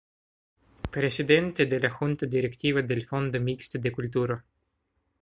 Presidente de la Junta Directiva del Fondo Mixto de Cultura.